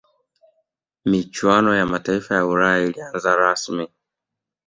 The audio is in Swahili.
michuano ya mataifa ya ulaya ilianza rasmi